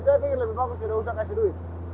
saya pikir lebih bagus tidak usah kasih duit